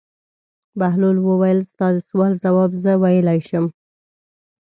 بهلول وویل: ستا د سوال ځواب زه ویلای شم.